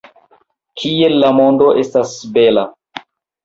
Kiel la mondo estas bela!